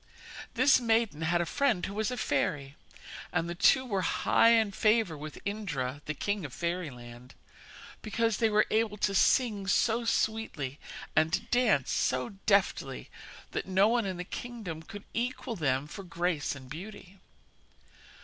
This maiden had a friend who was a fairy, and the two were high in favour with Indra, the king of fairyland, because they were able to sing so sweetly and dance so deftly that no one in the kingdom could equal them for grace and beauty.